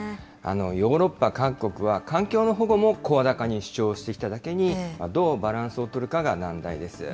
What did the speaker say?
ヨーロッパ各国は、環境の保護も声高に主張してきただけに、どうバランスを取るかが難題です。